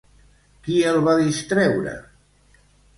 Qui el va distreure?